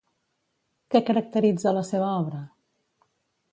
Què caracteritza la seva obra?